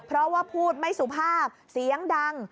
เพราะว่าพูดไม่สุภาพเสียงดัง